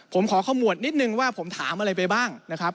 ผมขอขมวดนิดนึงว่าผมถามอะไรไปบ้างนะครับ